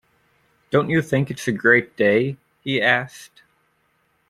“Don’t you think it’s a great day?” he asked.